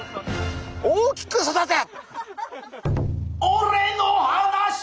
大きく育て！